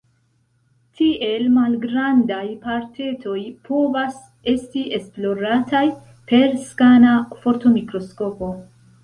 Tiel malgrandaj partetoj povas esti esplorataj per skana fortomikroskopo.